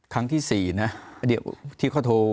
ครั้งที่๔นะเดี๋ยวที่เขาโทร